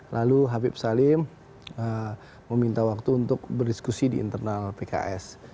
lalu habib salim meminta waktu untuk berdiskusi di internal pks